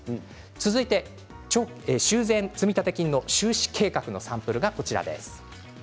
続いて、修繕積立金の収支計画のサンプルです。